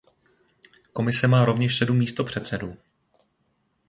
Komise má rovněž sedm místopředsedů.